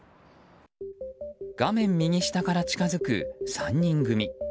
画面右下から近づく３人組。